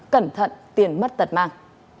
cẩn thận tiền mất tật mạng